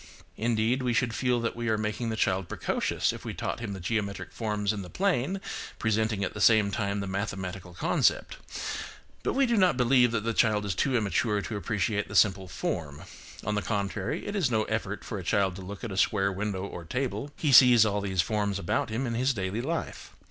Indeed, we should feel that we are making the child precocious if we taught him the geometric forms in the plane, presenting at the same time the mathematical con cept, but we do not believe that the child is too immature to appreciate the simple form; on the contrary, it is no effort for a child to look at a square window or table,–he sees all these forms about him in his daily life.